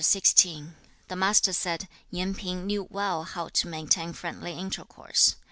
曰/ CHAP. XVI. The Master said, 'Yen P'ing knew well how to maintain friendly intercourse.